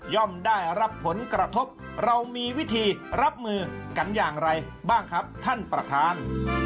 ได้รับผลกระทบเรามีวิธีรับมือกันอย่างไรบ้างครับท่านประธาน